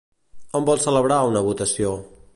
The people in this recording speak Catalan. On vol celebrar una votació?